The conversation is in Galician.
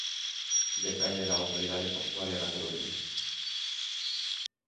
Depende da Autoridade Portuaria da Coruña.